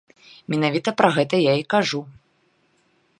Менавіта пра гэта я і кажу.